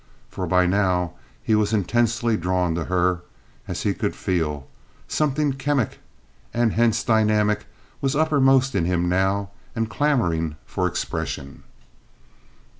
For by now he was intensely drawn to her, as he could feel—something chemic and hence dynamic was uppermost in him now and clamoring for expression.